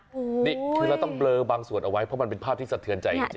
นี่คือเราต้องเบลอบางส่วนเอาไว้เพราะมันเป็นภาพที่สะเทือนใจจริง